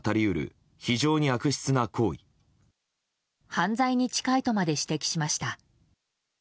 犯罪に近いとまで指摘しました。